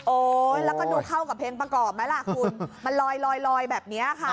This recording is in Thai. แล้วก็ดูเข้ากับเพลงประกอบไหมล่ะคุณมันลอยลอยแบบนี้ค่ะ